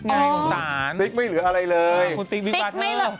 อ๋อคุณติ๊กไม่เหลืออะไรเลยติ๊กมีบัตเธอ